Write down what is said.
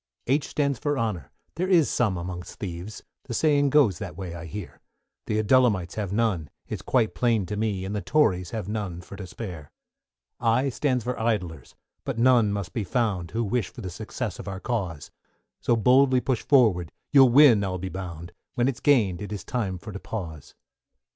=H= stands for Honour, there is some amongst thieves, The saying goes that way I hear; The Adullamites have none, it's quite plain to me; And the Tories have none for to spare. =I= stands for Idlers, but none must be found, Who wish for the success of our cause; So boldly push forward, you'll win I'll be bound, When it's gained it is time for to pause.